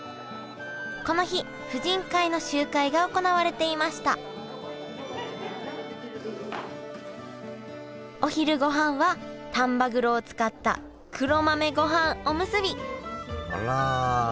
この日婦人会の集会が行われていましたお昼ごはんは丹波黒を使った黒豆ごはんおむすびあら。